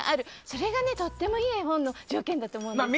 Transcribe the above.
それがとってもいい絵本の条件だと思うんです。